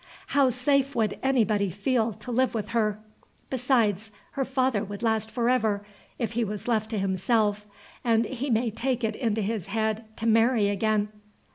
How safe would anybody feel to live with her? Besides, her father would last forever, if he was left to himself. And he may take it into his head to marry again.